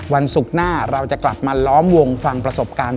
วันศุกร์หน้าเราจะกลับมาล้อมวงฟังประสบการณ์